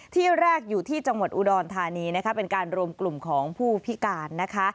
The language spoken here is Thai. ที่แรกอยู่ที่จังหวัดอุดรธานีนะคะเป็นการรวมกลุ่มของผู้พิการนะคะ